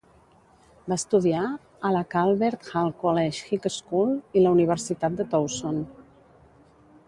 Va estudiar a la Calvert Hall College High School i la Universitat de Towson.